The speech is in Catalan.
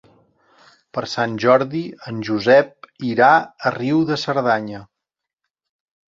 Per Sant Jordi en Josep irà a Riu de Cerdanya.